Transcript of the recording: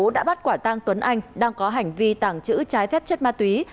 đã bắt quả tang tuấn anh đang có hành vi tàng trữ trái phép chất ma túy